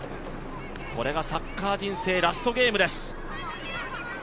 これがサッカー人生ラストゲームです。